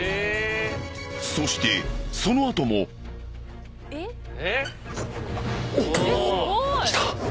［そしてその後も］きた！